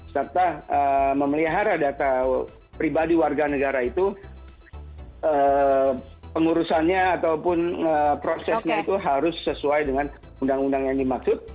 serta memelihara data pribadi warga negara itu pengurusannya ataupun prosesnya itu harus sesuai dengan undang undang yang dimaksud